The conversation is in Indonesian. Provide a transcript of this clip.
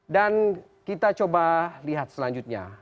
dan kita coba lihat selanjutnya